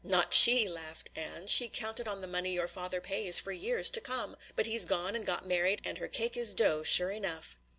"Not she!" laughed Ann, "she counted on the money your father pays for years to come; but he's gone and got married and her cake is dough sure enough."